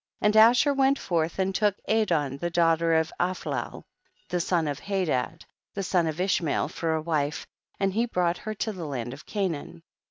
12. And Asher went forth and took Adon tlie daughter of Aphlal, the son of Hadad, the son of Ish mael, for a wife, and he brought her to the land of Canaan.